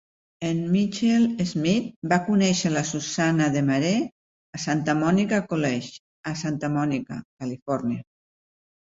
En Mitchell-Smith va conèixer la Susannah Demaree a Santa Monica College a Santa Monica, California.